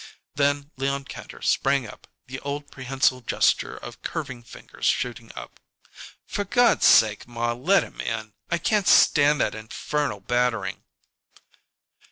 Then Leon Kantor sprang up, the old prehensile gesture of curving fingers shooting up. "For God's sake, ma, let him in! I can't stand that infernal battering."